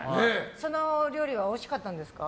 その料理はおいしかったんですか？